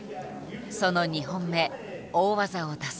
その２本目大技を出す。